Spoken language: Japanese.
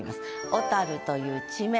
「小樽」という地名。